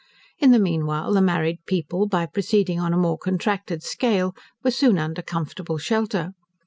In the meanwhile the married people, by proceeding on a more contracted scale, were soon under comfortable shelter.